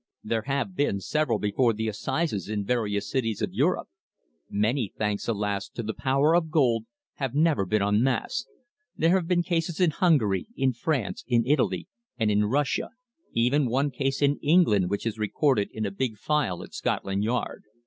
There have been several before the assizes in various cities of Europe. Many, thanks alas! to the power of gold, have never been unmasked. There have been cases in Hungary, in France, in Italy, and in Russia even one case in England which is recorded in a big file at Scotland Yard.